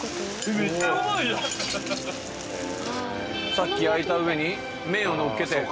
さっき焼いた上に麺をのっけて。